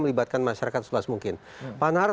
melibatkan masyarakat setelah semungkin pak nahar